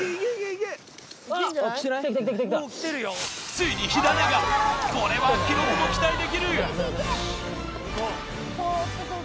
ついにこれは記録も期待できるよし